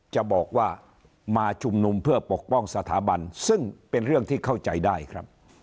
จะบอกว่ามาชุมนุมเพื่อปกป้องสถาบันซึ่งเป็นเรื่องที่เข้าใจได้ครับ